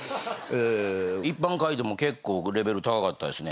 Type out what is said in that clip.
一般回答も結構レベル高かったですね。